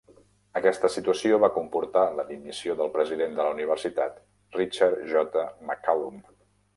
Aquesta situació va comportar la dimissió del president de la universitat, Richard J. McCallum.